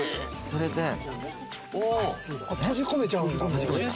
それで閉じ込めちゃうんだ。